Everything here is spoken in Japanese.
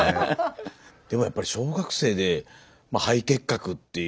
でもやっぱり小学生でまあ肺結核っていう。